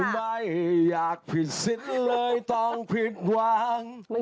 ไม่อยากผิดสิทธิ์เลยต้องผิดหวัง